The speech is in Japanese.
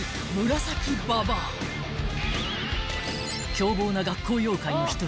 ［凶暴な学校妖怪の一人］